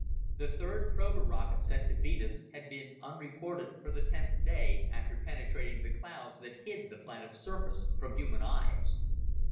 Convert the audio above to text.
The third prober rocket sent to Venus had been unreported for the tenth day after penetrating the clouds that hid that planet's surface from human eyes.